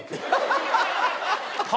ハハハハ！